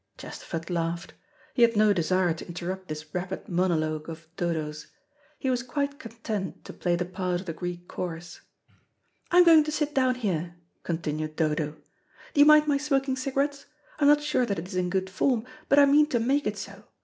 Chesterford laughed. He had no desire to interrupt this rapid monologue of Dodo's. He was quite content to play the part of the Greek chorus. "I'm going to sit down here," continued Dodo. "Do you mind my smoking cigarettes? I'm not sure that it is in good form, but I mean to make it so.